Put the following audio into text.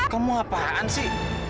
kamu apaan sih